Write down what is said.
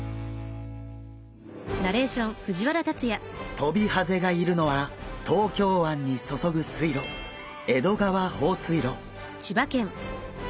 トビハゼがいるのは東京湾に注ぐ水路江戸川放水路。